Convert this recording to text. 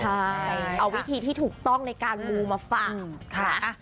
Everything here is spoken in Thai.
ใช่เอาวิธีที่ถูกต้องในการมูมาฝากค่ะ